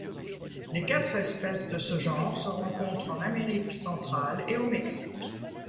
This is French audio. Les quatre espèces de ce genre se rencontrent en Amérique centrale et au Mexique.